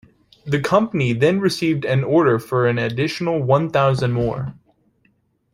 The company then received an order for an additional one thousand more.